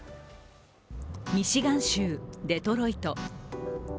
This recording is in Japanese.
ミシガン州デトロイト。